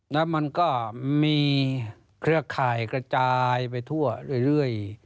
แล้วมันก็มีเครือข่ายกระจายไปทั่วเรื่อย